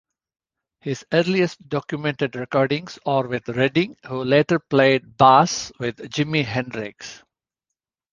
His earliest documented recordings are with Redding, who later played bass with Jimi Hendrix.